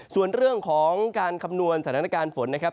ส่วนเรื่องของการคำนวณสถานการณ์ฝนนะครับ